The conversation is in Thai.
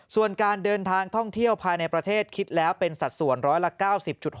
ส่วนการเดินทางท่องเที่ยวภายในประเทศคิดแล้วเป็นสัดส่วนร้อยละ๙๐๖